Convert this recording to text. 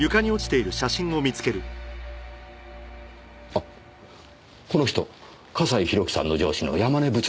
あっこの人笠井宏樹さんの上司の山根部長ですね。